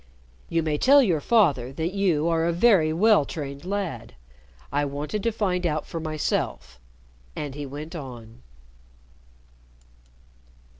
"You may tell your father that you are a very well trained lad. I wanted to find out for myself." And he went on.